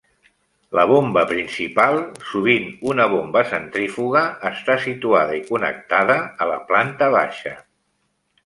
La bomba principal, sovint una bomba centrífuga, està situada i connectada a la planta baixa.